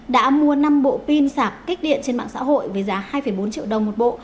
đã mua năm bộ pin sạp kích điện trên mạng xã hội với giá hai bốn triệu đồng một bộ